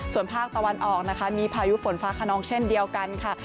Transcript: ส่วนภาคตะวันออกนะคะมีพายุฝนฟ้าขนองเช่นเดียวกันค่ะ